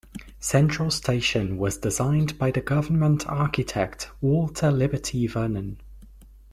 Central station was designed by the Government Architect, Walter Liberty Vernon.